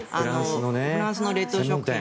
フランスの冷凍食品。